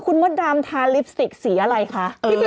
คุณมดดำทาลิปสติกสีอะไรคะ